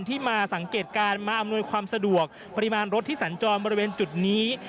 ที่มาสังเกตการณ์มาอำนวยความสะดวกปริมาณรถที่สัญจรบริเวณจุดนี้